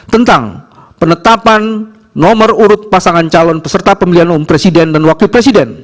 tentang penetapan nomor urut pasangan calon peserta pemilihan umum presiden dan wakil presiden